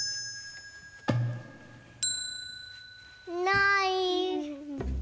ない。